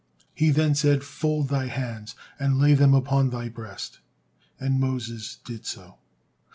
He then said, "Fold thy hands and lay them upon thy breast," and Moses did so.